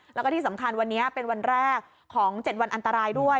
แล้วก็ที่สำคัญวันนี้เป็นวันแรกของ๗วันอันตรายด้วย